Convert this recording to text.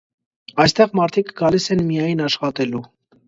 Այստեղ մարդիկ գալիս են միայն աշխատելու։